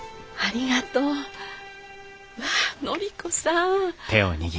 まあ紀子さん！